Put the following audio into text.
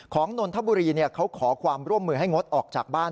นนทบุรีเขาขอความร่วมมือให้งดออกจากบ้าน